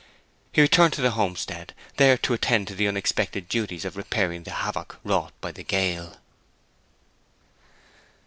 He returned to the homestead, there to attend to the unexpected duties of repairing the havoc wrought by the gale.